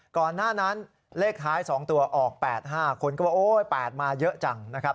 ก่อนหน้านั้นเลขท้าย๒ตัวออก๘๕คนก็บอกโอ๊ย๘มาเยอะจังนะครับ